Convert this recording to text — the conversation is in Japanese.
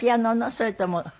それとも。